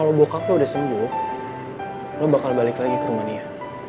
kalau bocah lo udah sembuh lo bakal balik lagi ke rumah dia